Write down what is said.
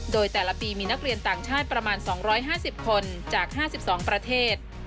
โดยแต่ละปีมีนักเรียนต่างชาติประมาณ๒๕๐คนจาก๕๒ประเทศ